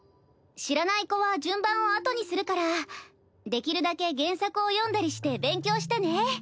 知らない子は順番をあとにするからできるだけ原作を読んだりして勉強してね。